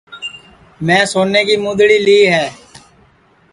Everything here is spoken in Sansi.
میں سونے کی مُدؔڑی لی ہے